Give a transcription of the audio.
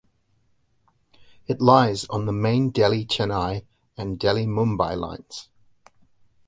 It lies on the main Delhi-Chennai and Delhi-Mumbai lines.